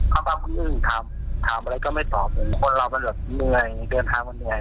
เขาบ้างคือทำทำอะไรก็ไม่ตอบคนเรามันเหนื่อยเดินทางเหนื่อย